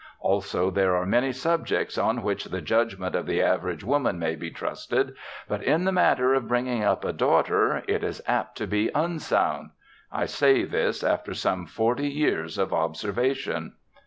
Also there are many subjects on which the judgment of the average woman may be trusted, but in the matter of bringing up a daughter it is apt to be unsound. I say this, after some forty years of observation."